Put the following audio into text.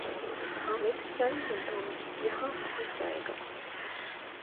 حامد چند منٹوں میں یہاں پہنچ جائے گا